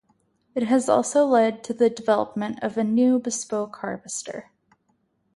It has also led to the development of a new bespoke harvester.